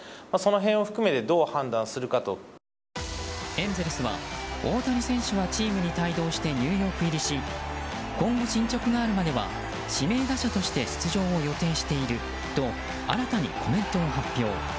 エンゼルスは大谷選手はチームに帯同してニューヨーク入りし今後、進捗があるまでは指名打者として出場を予定していると新たにコメントを発表。